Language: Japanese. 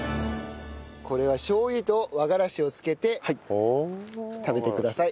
これはしょう油と和がらしをつけて食べてください。